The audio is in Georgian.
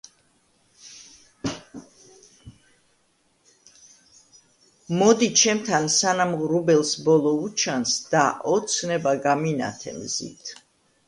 მოდი ჩემთან სანამ ღრუბელს ბოლო უჩანს და ოცნება გამინათე მზით